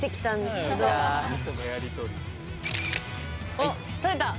おっ撮れた。